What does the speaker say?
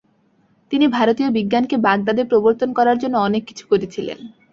তিনি ভারতীয় বিজ্ঞানকে বাগদাদে প্রবর্তন করার জন্য অনেক কিছু করেছিলেন।